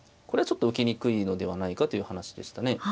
これはちょっと受けにくいのではないかという話でしたね。